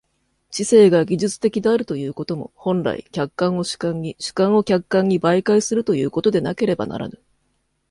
知性が技術的であるということも、本来、客観を主観に、主観を客観に媒介するということでなければならぬ。